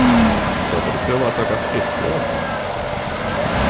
Då får du prova att åka skridskor också!